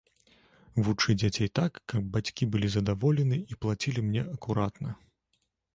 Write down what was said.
Вучы дзяцей так, каб бацькі былі задаволены і плацілі мне акуратна.